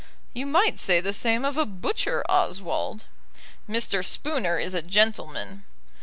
"You might say the same of a butcher, Oswald." "Mr. Spooner is a gentleman."